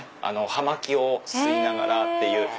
葉巻を吸いながらっていう。